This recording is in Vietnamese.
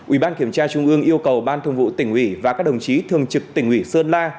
ủy ban kiểm tra trung ương yêu cầu ban thường vụ tỉnh ủy và các đồng chí thường trực tỉnh ủy sơn la